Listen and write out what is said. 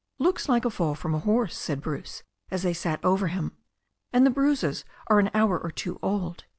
"Looks like a fall from a horse," said Bruce, as they sat over him. "And the bruises are an hour or two old.